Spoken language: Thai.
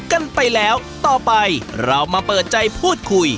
กันไปแล้วต่อไปเรามาเปิดใจพูดคุย